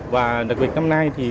và đặc biệt năm nay